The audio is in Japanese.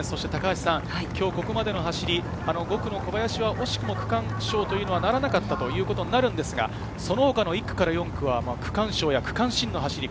今日ここまでの走り、５区の小林は惜しくも区間賞というのはならなかったということになりますが、その他の１区から４区は区間賞や区間新の走り。